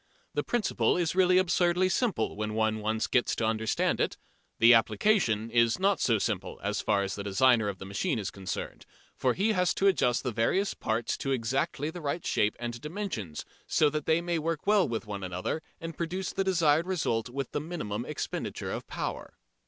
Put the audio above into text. The principle is really absurdly simple when one once gets to understand it. The application is not so simple as far as the designer of the machine is concerned, for he has to adjust the various parts to exactly the right shape and dimensions, so that they may work well with one another and produce the desired result with the minimum expenditure of power.